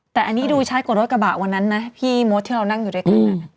แต่อันนี้ดูชัดกว่ารถกระบะวันนั้นนะพี่มดที่เรานั่งอยู่ด้วยกัน